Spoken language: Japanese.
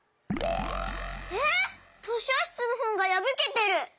えっ！？としょしつのほんがやぶけてる！